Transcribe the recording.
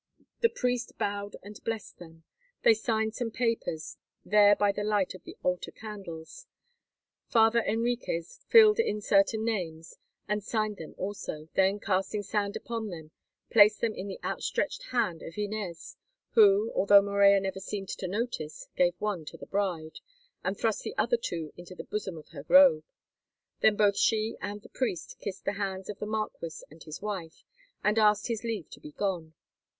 The priest bowed and blessed them. They signed some papers, there by the light of the altar candles. Father Henriques filled in certain names and signed them also, then, casting sand upon them, placed them in the outstretched hand of Inez, who, although Morella never seemed to notice, gave one to the bride, and thrust the other two into the bosom of her robe. Then both she and the priest kissed the hands of the marquis and his wife, and asked his leave to be gone.